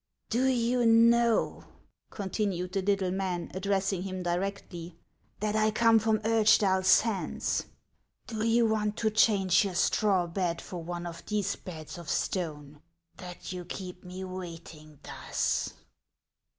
" Do you know/' continued the little man, addressing him directly, " that I come from Urchtal Sands ? Do you HANS OF ICELAND. 69 want to change your straw bed for one of these beds of stone, that you keep me waiting thus